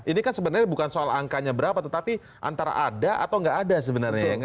ini kan sebenarnya bukan soal angkanya berapa tetapi antara ada atau nggak ada sebenarnya